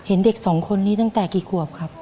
เห็นเด็กสองคนนี้ตั้งแต่กี่ขวบครับ